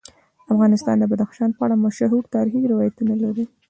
افغانستان د بدخشان په اړه مشهور تاریخی روایتونه لري.